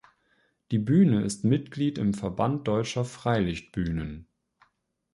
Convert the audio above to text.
Die Bühne ist Mitglied im Verband Deutscher Freilichtbühnen.